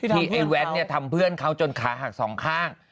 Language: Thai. ไอ้แว้นทำเพื่อนเขาจนขาหักสองข้าง